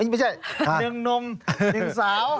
ไม่ใช่หนึ่งหนุ่มหนึ่งสาว